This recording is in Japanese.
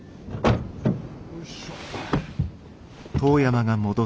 よいしょ。